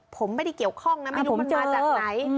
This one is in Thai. ผมไม่ได้เกี่ยวข้องนะไม่รู้มันมาจากไหน